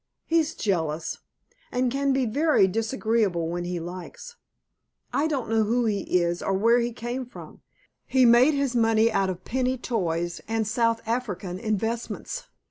"He's jealous, and can be very disagreeable when he likes. I don't know who he is, or where he came from. He made his money out of penny toys and South African investments.